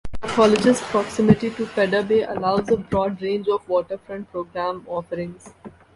The College's proximity to Pedder Bay allows a broad range of waterfront program offerings.